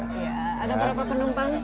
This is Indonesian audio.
ada berapa penumpang